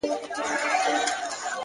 نیک چلند زړونه خپلوي؛